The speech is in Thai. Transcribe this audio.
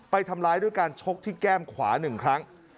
ไปทำร้ายด้วยการชกที่แก้มขวา๑ครั้ง